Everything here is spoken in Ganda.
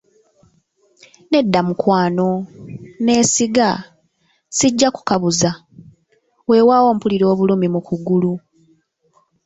Nedda mukwano, neesiga, sijja kukabuza, weewaawo mpulira obulumi mu kugulu.